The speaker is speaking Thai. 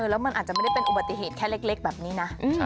แล้วมันอาจจะไม่ได้เป็นอุบัติเหตุแค่เล็กแบบนี้นะ